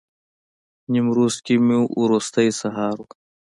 نیمروز کې مو وروستی سهار و.